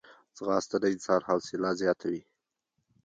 ځغاسته د انسان حوصله زیاتوي